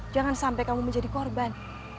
jangan sampai kamu menjadi korban